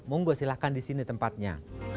monggo silahkan di sini tempatnya